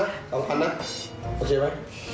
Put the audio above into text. ยิบเอาไว้ร้องแล้วยิบ